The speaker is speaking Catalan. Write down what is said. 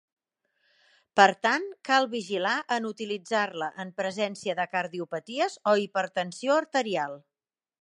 Per tant, cal vigilar en utilitzar-la en presència de cardiopaties o hipertensió arterial.